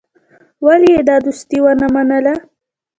ولي يې دا دوستي ونه منله.